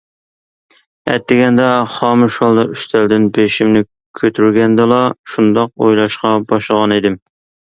ئەتىگەندە خامۇش ھالدا ئۈستەلدىن بېشىمنى كۆتۈرگەندىلا شۇنداق ئويلاشقا باشلىغانىدىم.